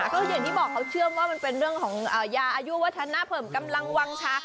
ก็อย่างที่บอกเขาเชื่อมว่ามันเป็นเรื่องของยาอายุวัฒนะเพิ่มกำลังวางชา